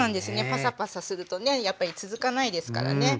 パサパサするとねやっぱり続かないですからね。